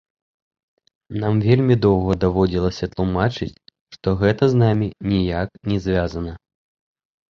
Нам вельмі доўга даводзілася тлумачыць, што гэта з намі ніяк не звязана.